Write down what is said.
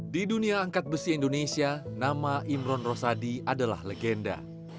di dunia angkat besi indonesia nama imron rosadi adalah legenda